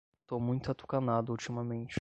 Tô muito atucanado ultimamente